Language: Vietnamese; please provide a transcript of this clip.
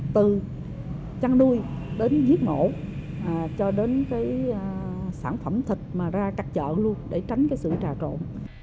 từ chăn nuôi đến giết mổ cho đến cái sản phẩm thịt mà ra các chợ luôn để tránh cái sự trà trộn